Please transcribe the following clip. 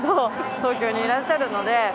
東京にいらっしゃるので。